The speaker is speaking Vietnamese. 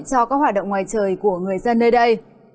cho các hoạt động ngoài trời của người dân nơi đây